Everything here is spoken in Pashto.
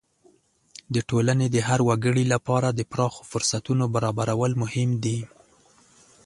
د ټولنې د هر وګړي لپاره د پراخو فرصتونو برابرول مهم دي.